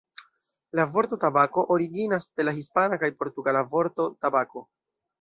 La vorto tabako originas de la hispana kaj portugala vorto "tabako".